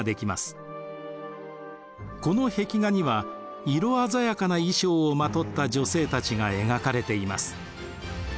この壁画には色鮮やかな衣装をまとった女性たちが描かれています。